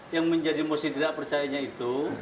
yang menjadi mosi tidak percayanya itu